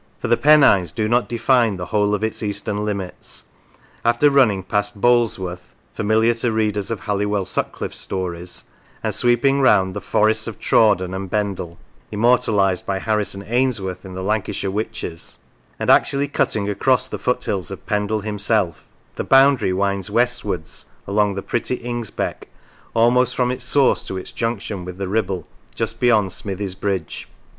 For the Pennines do not define the whole of its eastern limits. After running past Boulsworth (familiar to readers of Halliwell Sutcliffe's stories), and sweeping round] 'the forests of Trawden and Pendle (immortalised by Harrison Ainsworth in the " Lancashire Witches "), and actually cutting across the foothills of Pendle himself, the boundary winds westwards along the pretty Ingsbeck almost from its source to its junction with the Ribble just beyond Smithies Bridge.